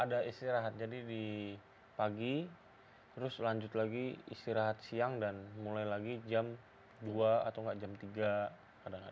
ada istirahat jadi di pagi terus lanjut lagi istirahat siang dan mulai lagi jam dua atau enggak jam tiga kadang kadang